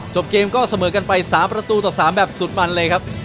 จบเกมก็เสมอกันไป๓ประตูต่อ๓แบบสุดมันเลยครับ